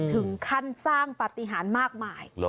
ถึงขั้นสร้างปฏิหารมากมาย